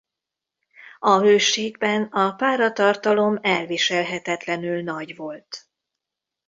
A hőségben a páratartalom elviselhetetlenül nagy volt.